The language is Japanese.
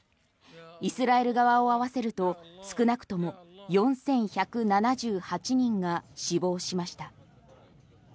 イスラエル側を合わせると少なくとも４１７８人が死亡しました。